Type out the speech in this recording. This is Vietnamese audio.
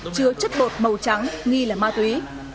chứa chất bột màu trắng nghi là ma túy